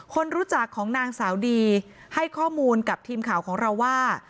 คนรู้จักของนางสาวดีให้ข้อมูลกับทีมข่าวของเราว่า